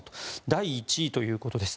第１位ということです。